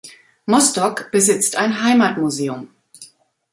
Mosdok besitzt ein Heimatmuseum.